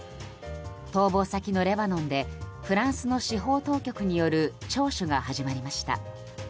逃亡先のレバノンでフランスの司法当局による聴取が始まりました。